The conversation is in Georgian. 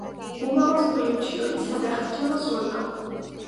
გულამოსკვნილიი ვჩიოდი სადა ხარ ჩემო სულიკო